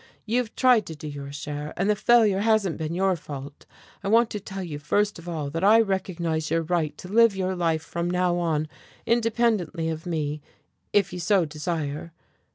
You've tried to do your share, and the failure hasn't been your fault. I want to tell you first of all that I recognize your right to live your life from now on, independently of me, if you so desire.